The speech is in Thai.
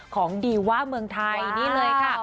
ของดีว่าเมืองไทยนี่เลยค่ะ